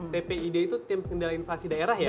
tpid itu tim kendala inflasi daerah ya